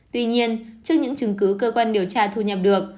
tuy nhiên trước những chứng cứ cơ quan điều tra thu nhập được